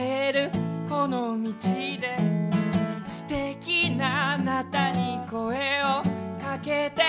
「素敵なあなたに声をかけて」